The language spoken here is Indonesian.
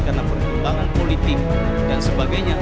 karena perkembangan politik dan sebagainya